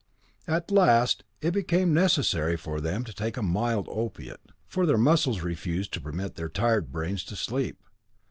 At last it became necessary for them to take a mild opiate, for their muscles refused to permit their tired brains to sleep.